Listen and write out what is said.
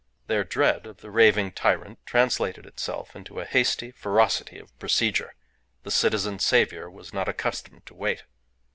Their dread of the raving tyrant translated itself into a hasty ferocity of procedure. The Citizen Saviour was not accustomed to wait.